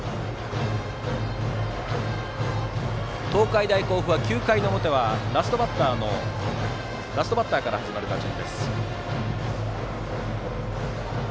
東海大甲府は９回の表はラストバッターから始まる打順。